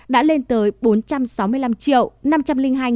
đã lên tới bốn trăm sáu mươi năm năm trăm linh hai tám trăm sáu mươi năm ca